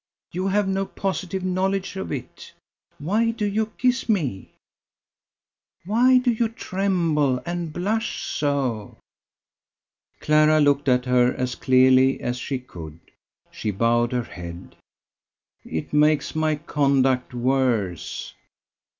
You have no positive knowledge of it! Why do you kiss me?" "Why do you tremble and blush so?" Clara looked at her as clearly as she could. She bowed her head. "It makes my conduct worse!"